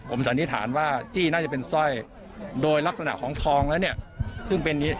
ผมสันนิษฐานว่าจี้น่าจะเป็นสร้อยโดยลักษณะของทองแล้วเนี่ยซึ่งเป็นนี้